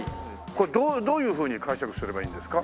これどういうふうに解釈すればいいんですか？